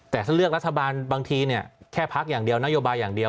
แต่ถ้าเลือกรัฐบาลบางทีเนี่ยแค่พักอย่างเดียวนโยบายอย่างเดียว